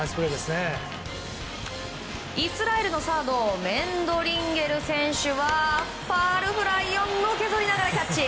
イスラエルのサードメンドリンゲル選手はファウルフライをのけぞりながらキャッチ！